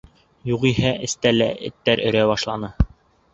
Юғиһә эстә лә эттәр өрә башланы.